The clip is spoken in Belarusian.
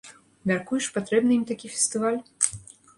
Мяркуеш, патрэбны ім такі фестываль?